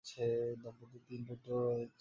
এই দম্পতির তিন পুত্র রয়েছে।